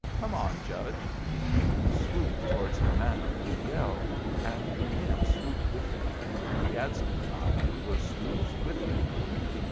Come on, judge!" He swooped towards the manna with a yell, and the men swooped with him, and Gadsden and I were swooped with them.